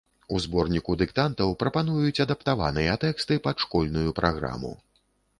У зборніку дыктантаў прапануюць адаптаваныя тэксты, пад школьную праграму.